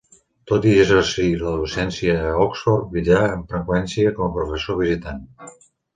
Tot i exercir la docència a Oxford, viatjà amb freqüència com a professor visitant.